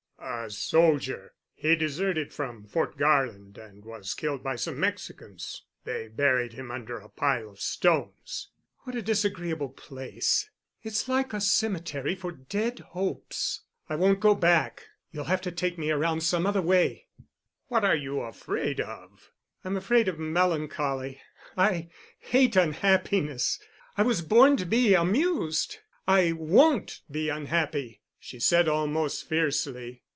"A soldier. He deserted from Fort Garland and was killed by some Mexicans. They buried him under a pile of stones." "What a disagreeable place. It's like a cemetery for dead hopes. I won't go back; you'll have to take me around some other way." "What are you afraid of?" "I'm afraid of melancholy—I hate unhappiness. I was born to be amused—I won't be unhappy," she said almost fiercely.